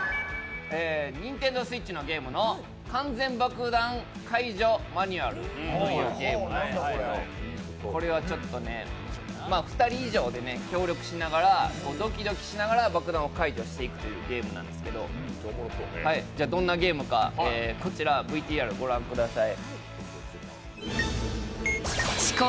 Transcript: ＮｉｎｔｅｎｄｏＳｗｉｔｃｈの「完全爆弾解除マニュアル」というゲームなんですけど２人以上で協力しながらドキドキしながら爆弾を解除していくっていうゲームなんですけどどんなゲームかこちらＶＴＲご覧ください。